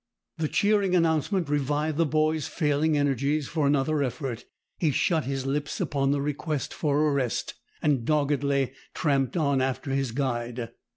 The cheering announcement revived the boy's failing energies for another effort. He shut his lips upon the request for a rest, and doggedly tramped on after his guide.